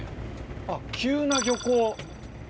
あっ急な漁港。